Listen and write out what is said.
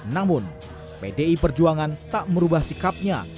namun pdi perjuangan tak merubah sikapnya